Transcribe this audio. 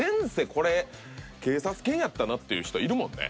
これ警察犬やったなっていう人いるもんね。